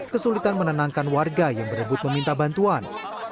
kesulitan menenangkan warga yang berebut meminta bantuan